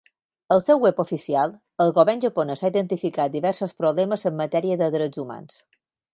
Al seu web oficial, el govern japonès ha identificat diversos problemes en matèria de drets humans.